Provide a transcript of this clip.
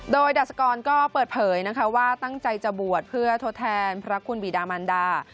โดยดาสกรก็เปิดเผยนะคะว่าตั้งใจจะบวชเพื่อทดแทนพระคุณบีดามันดา